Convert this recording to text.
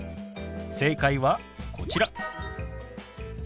正解はこちら。